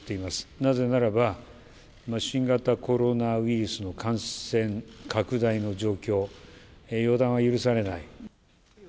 なぜならば、新型コロナウイルスの感染拡大の状況、予断は許されない。